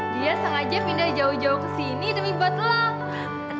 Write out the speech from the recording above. dia sengaja pindah jauh jauh kesini demi buat love